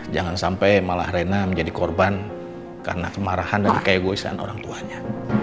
jangan sampai malah rena menjadi korban karena kemarahan dan keegoisan orang tuanya